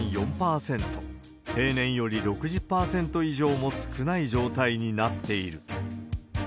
平年より６０％以上も少ない状態になっている。